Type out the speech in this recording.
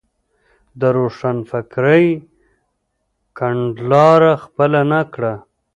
د روښانفکرۍ کڼلاره خپله نه کړه.